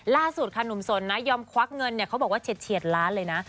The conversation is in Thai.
ล่าสุดค่ะหนุ่มสนนะยอมควักเงินเนี่ยเขาบอกว่าเฉียดล้านเลยนะ